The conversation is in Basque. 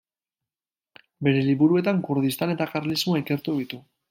Bere liburuetan Kurdistan eta karlismoa ikertu ditu.